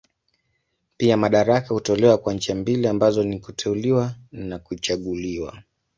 Pia madaraka hutolewa kwa njia mbili ambazo ni kuteuliwa na kuchaguliwa.